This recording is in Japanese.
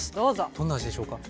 どんな味でしょうか。